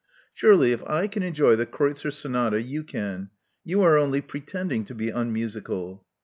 Surely if I can enjoy the Kreutzer Sonata, you can. You are only pretending to be unmusical."